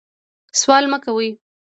سوال مه کوئ